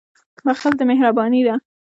• بخښل مهرباني ده.